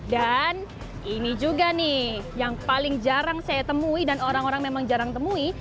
dan ini juga nih yang paling jarang saya temui dan orang orang memang jarang temui